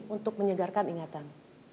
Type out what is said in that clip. untuk menyegarkan ingatan